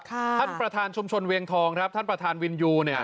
ท่านประธานชุมชนเวียงทองครับท่านประธานวินยูเนี่ย